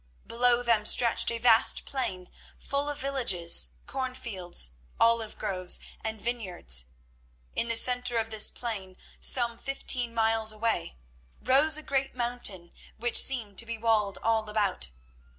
Below them stretched a vast plain, full of villages, cornfields, olive groves, and vineyards. In the centre of this plain, some fifteen miles away, rose a great mountain, which seemed to be walled all about.